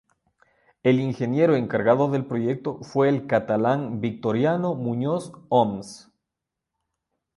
El ingeniero encargado del proyecto fue el catalán Victoriano Muñoz Oms.